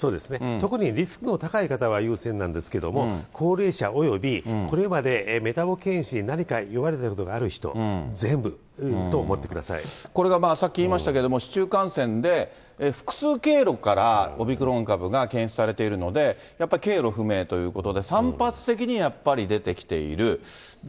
特にリスクの高い方が優先なんですけども、高齢者およびこれまでメタボ健診で何か言われてることのある人、これがさっき言いましたけれども、市中感染で複数経路からオミクロン株が検出されているので、やっぱり経路不明ということで、散発的にやっぱり出てきている。